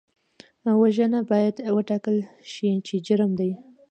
وژنه باید وټاکل شي چې جرم دی